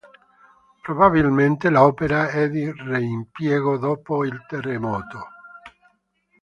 Probabilmente l'opera è di reimpiego dopo il terremoto.